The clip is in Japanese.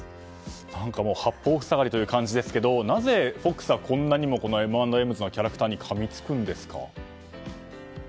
何か八方塞がりという感じですがなぜＦＯＸはこんなにもＭ＆Ｍ’ｓのキャラクターにかみつくんですか？